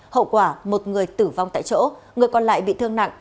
hậu quả một người tử vong tại chỗ người còn lại bị thương nặng